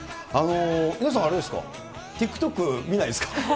皆さん、あれですか、ＴｉｋＴｏｋ、見ないですか。